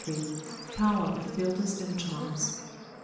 POWER OF PHILTRES AND CHARMS.